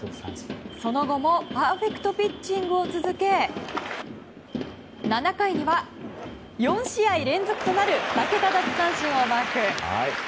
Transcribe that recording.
その後もパーフェクトピッチングを続け７回には４試合連続となる２桁奪三振をマーク。